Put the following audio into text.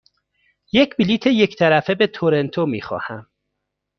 یک بلیط یک طرفه به تورنتو می خواهم.